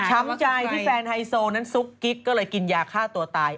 ใจที่แฟนไฮโซนั้นซุกกิ๊กก็เลยกินยาฆ่าตัวตาย